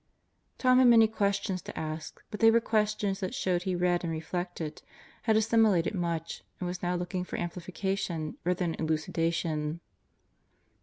Tom had many questions to ask, but they were questions that showed he had "Mart Likely HI Burn" 29 read and reflected, had assimilated much and was now looking for amplification rather than elucidation.